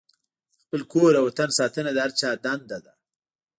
د خپل کور او وطن ساتنه د هر چا دنده ده.